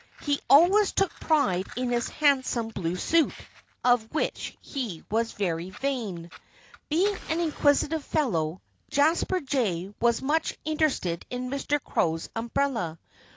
He always took pride in his handsome blue suit, of which he was very vain. Being an inquisitive fellow, Jasper Jay was much interested in Mr. Crow's umbrella.